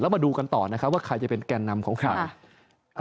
มาดูกันต่อนะครับว่าใครจะเป็นแก่นำของใคร